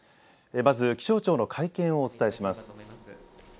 まず気象庁の会見をお伝えします。